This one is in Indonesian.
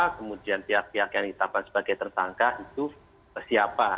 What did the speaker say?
kemudian pihak pihak yang ditetapkan sebagai tersangka itu siapa